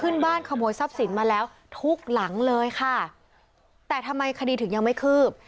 ขึ้นบ้านขโมยทรัพย์สินมาแล้วทุกหลังเลยค่ะแต่ทำไมคดีถึงยังไม่คืบ